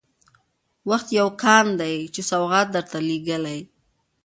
وخت يو كان دى چا سوغات درته لېږلى